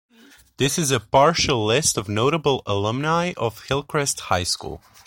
This is a partial list of notable alumni of Hillcrest High School.